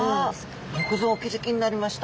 よくぞお気付きになりました。